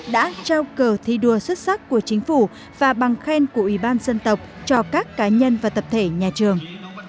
đã trao cờ thi đua xuất sắc của chính phủ và bằng khen của ủy ban dân tộc cho các cá nhân và tập thể nhà trường